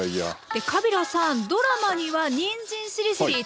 でカビラさんドラマにはにんじんしりしりー